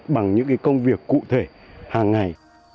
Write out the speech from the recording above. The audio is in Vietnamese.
bằng những công việc cụ thể hàng ngày